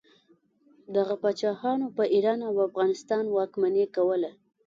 دغه پاچاهانو په ایران او افغانستان واکمني کوله.